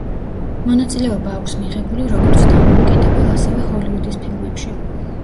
მონაწილეობა აქვს მიღებული როგორც დამოუკიდებელ, ასევე ჰოლივუდის ფილმებში.